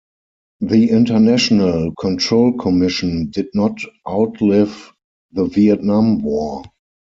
The International Control Commission did not outlive the Vietnam War.